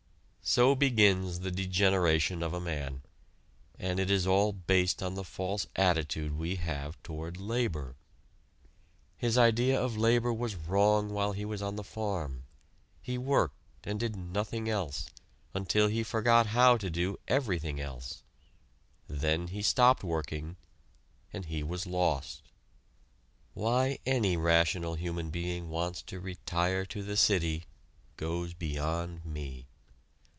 So begins the degeneration of a man, and it is all based on the false attitude we have toward labor. His idea of labor was wrong while he was on the farm. He worked and did nothing else, until he forgot how to do everything else. Then he stopped working, and he was lost. Why any rational human being wants to "retire" to the city, goes beyond me!